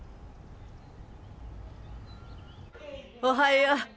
おはよう。